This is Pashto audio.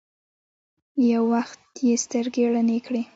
يو وخت يې سترګې رڼې کړې.